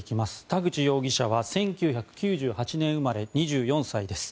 田口容疑者は１９９８年生まれ２４歳です。